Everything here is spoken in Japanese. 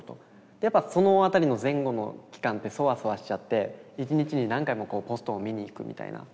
やっぱそのあたりの前後の期間ってそわそわしちゃって一日に何回もポストを見に行くみたいな。